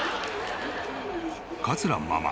桂ママ